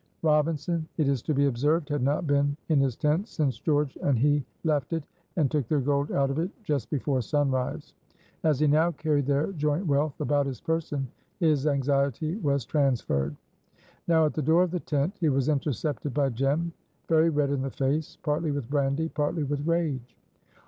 Robinson, it is to be observed, had not been in his tent since George and he left it and took their gold out of it just before sunrise. As he now carried their joint wealth about his person, his anxiety was transferred. Now at the door of the tent he was intercepted by Jem, very red in the face, partly with brandy, partly with rage.